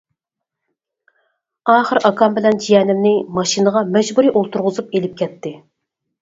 ئاخىر ئاكام بىلەن جىيەنىمنى ماشىنىغا مەجبۇرىي ئولتۇرغۇزۇپ ئېلىپ كەتتى.